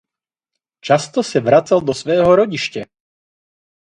Často se vracel do svého rodiště.